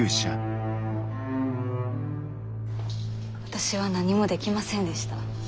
私は何もできませんでした。